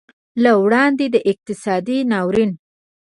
له وړاندې د اقتصادي ناورین